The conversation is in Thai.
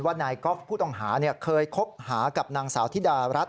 นายกอล์ฟผู้ต้องหาเคยคบหากับนางสาวธิดารัฐ